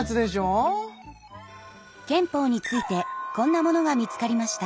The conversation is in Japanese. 憲法についてこんなものが見つかりました。